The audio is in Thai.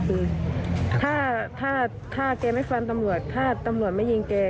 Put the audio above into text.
คือถ้าถ้าแกไม่ฟันตำรวจถ้าตำรวจไม่ยิงแก